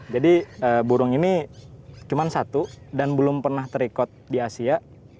jadi burung ini cuma satu dan belum pernah terikut di asia